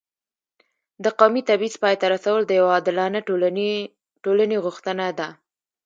د قومي تبعیض پای ته رسول د یو عادلانه ټولنې غوښتنه ده.